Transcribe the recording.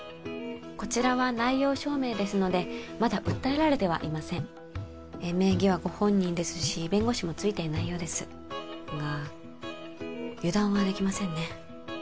こちらは内容証明ですのでまだ訴えられてはいません名義はご本人ですし弁護士もついていないようですが油断はできませんね